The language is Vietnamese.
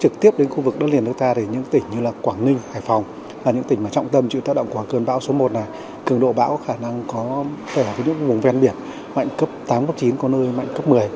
của truyền hình công an nhân dân